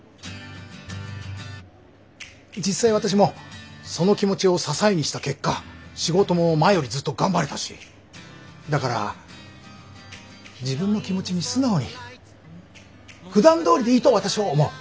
実際私もその気持ちを支えにした結果仕事も前よりずっと頑張れたしだから自分の気持ちに素直にふだんどおりでいいと私は思う。